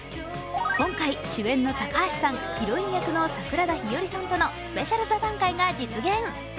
今回、主演の高橋さん、ヒロイン役の桜田ひよりさんとのスペシャル座談会が実現。